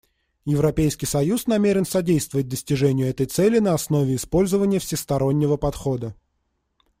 Европейский союз намерен содействовать достижению этой цели на основе использования всестороннего подхода.